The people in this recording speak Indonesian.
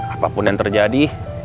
apapun yang terjadi